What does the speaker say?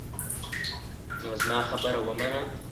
نو زما خبره ومنه.